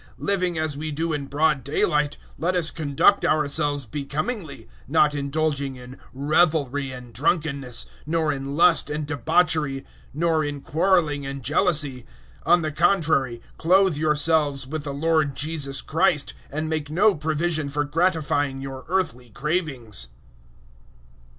013:013 Living as we do in broad daylight, let us conduct ourselves becomingly, not indulging in revelry and drunkenness, nor in lust and debauchery, nor in quarrelling and jealousy. 013:014 On the contrary, clothe yourselves with the Lord Jesus Christ, and make no provision for gratifying your earthly cravings.